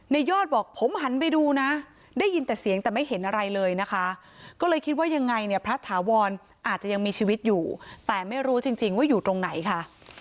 ยอดบอกผมหันไปดูนะได้ยินแต่เสียงแต่ไม่เห็นอะไรเลยนะคะก็เลยคิดว่ายังไงเนี่ยพระถาวรอาจจะยังมีชีวิตอยู่แต่ไม่รู้จริงว่าอยู่ตรงไหนค่ะ